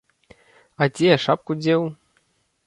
А дзе я шапку дзеў?